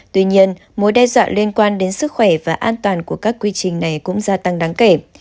tuy nhiên mối đe dọa liên quan đến sức khỏe và an toàn của các quy trình này cũng gia tăng đáng kể